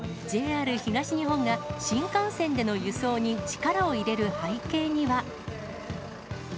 ＪＲ東日本が、新幹線での輸送に力を入れる背景には。